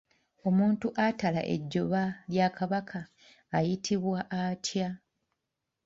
Omuntu atala ejjoba lya Kabaka ayitibwa atya?